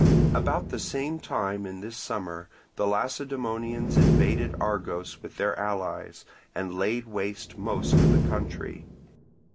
About the same time in this summer, the Lacedaemonians invaded Argos with their allies, and laid waste most of the country.